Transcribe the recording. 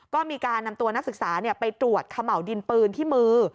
ก็มีการนำตัวนักศึกษาไปตรวจเขม่าวดินปืนที่มือ